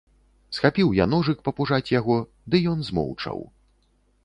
Схапіў я ножык папужаць яго, ды ён змоўчаў.